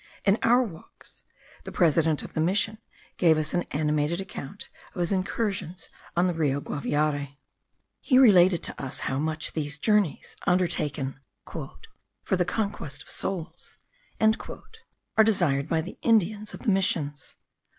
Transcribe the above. In our walks, the president of the mission gave us an animated account of his incursions on the Rio Guaviare. He related to us how much these journeys, undertaken "for the conquest of souls;" are desired by the Indians of the missions.